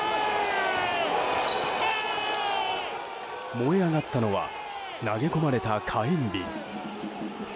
燃え上がったのは投げ込まれた火炎瓶。